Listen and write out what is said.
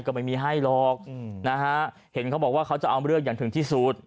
ก็ไม่มีให้หรอกนะฮะเห็นเขาบอกว่าเขาจะเอาเรื่องอย่างถึงที่สุด